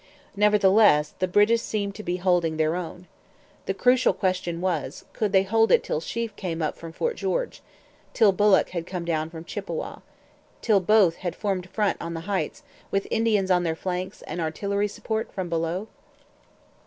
Nevertheless, the British seemed to be holding their own. The crucial question was: could they hold it till Sheaffe came up from Fort George, till Bullock came down from Chippawa, till both had formed front on the Heights, with Indians on their flanks and artillery support from below?